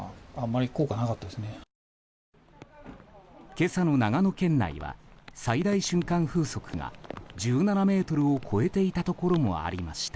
今朝の長野県内は最大瞬間風速が１７メートルを超えていたところもありました。